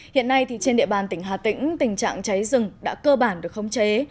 hiện nay trên địa bàn tỉnh hà tĩnh tình trạng cháy rừng đã cơ bản được khống chế